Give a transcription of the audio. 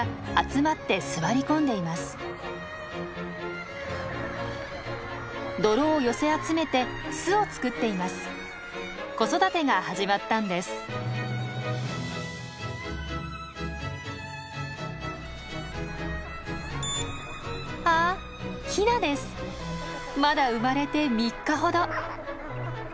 まだ生まれて３日ほど。